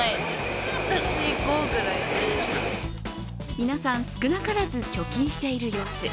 皆さん、少なからず貯金している様子。